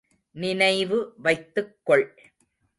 நினைவு வைத்துக் கொள்.